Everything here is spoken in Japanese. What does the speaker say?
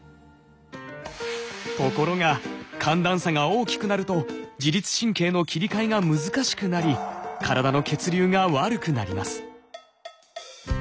ところが寒暖差が大きくなると自律神経の切り替えが難しくなり体の血流が悪くなります。